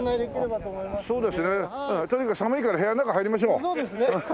とにかく寒いから部屋の中に入りましょう。